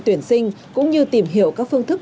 tuyển sinh cũng như tìm hiểu các phương thức